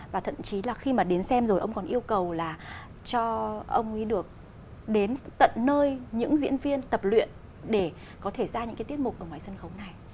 và thậm chí là khi mà đến xem rồi ông còn yêu cầu là cho ông ấy được đến tận nơi những diễn viên tập luyện để có thể ra những cái tiết mục ở ngoài sân khấu này